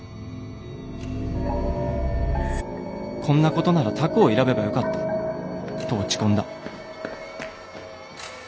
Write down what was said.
こんなことなら他校を選べばよかったと落ち込んだ」。